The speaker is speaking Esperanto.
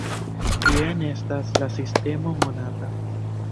Jen estas la sistemo monata.